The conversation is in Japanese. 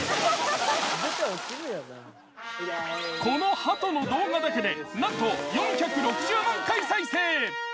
このハトの動画だけでなんと４６０万回再生。